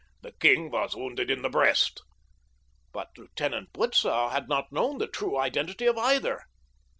The king was wounded in the breast." But Lieutenant Butzow had not known the true identity of either.